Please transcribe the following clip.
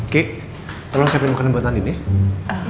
kiki tolong siapin makanan buat andin ya